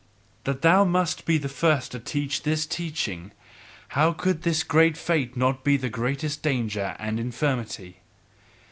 That thou must be the first to teach this teaching how could this great fate not be thy greatest danger and infirmity!